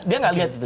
dia nggak lihat itu